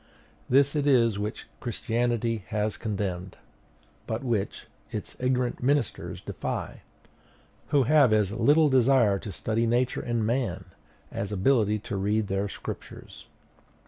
This it is which Christianity has condemned, but which its ignorant ministers deify; who have as little desire to study Nature and man, as ability to read their Scriptures.